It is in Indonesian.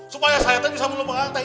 supaya saya tuh bisa menebangkan teh